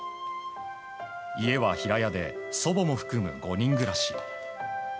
家は平屋で祖母も含む５人暮らし。